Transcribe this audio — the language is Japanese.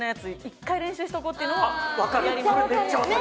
１回練習しとこうというのをやります